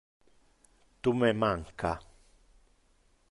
Tu me manca.